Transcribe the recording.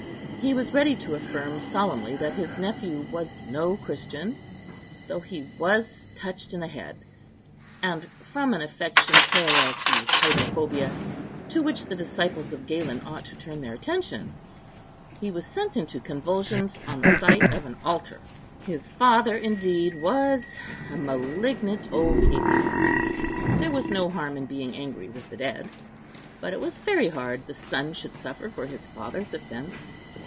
He was ready to affirm solemnly that his nephew was no Christian, though he was touched in the head, and, from an affection parallel to hydrophobia, to which the disciples of Galen ought to turn their attention, was sent into convulsions on the sight of an altar. His father, indeed, was a malignant old atheist—there was no harm in being angry with the dead—but it was very hard the son should suffer for his father's offence.